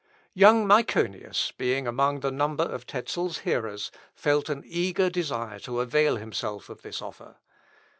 Young Myconius being among the number of Tezel's hearers, felt an eager desire to avail himself of this offer.